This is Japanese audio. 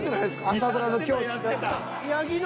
朝ドラの教師。